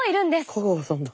香川さんだ。